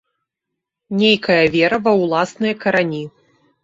Нейкая вера ва ўласныя карані.